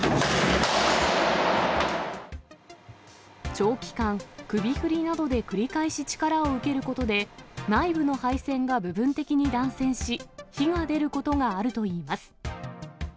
長期間、首振りなどで繰り返し力を受けることで、内部の配線が部分的に断線し、火が出ることがあるといいます。